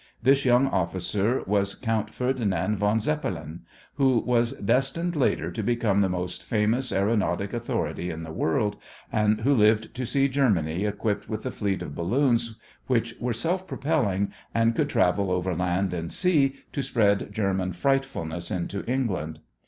This young officer was Count Ferdinand von Zeppelin, who was destined later to become the most famous aëronautic authority in the world and who lived to see Germany equipped with a fleet of balloons which were self propelling and could travel over land and sea to spread German frightfulness into England.